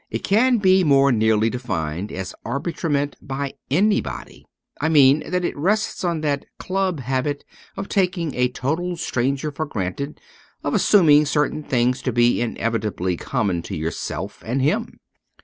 It can be more nearly defined as abitrament by anybody : I mean that it rests on that club habit of taking a total stranger for granted, of assuming certain things to be inevitably common to yourself and him.